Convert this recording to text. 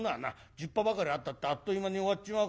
十把ばかりあったってあっという間に終わっちまうから。